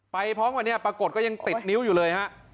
พร้อมวันนี้ปรากฏก็ยังติดนิ้วอยู่เลยฮะ